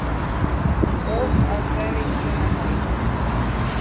Both are very humanoid.